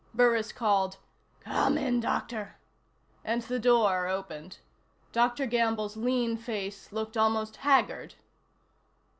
Burris called: "Come in, Doctor," and the door opened. Dr. Gamble's lean face looked almost haggard.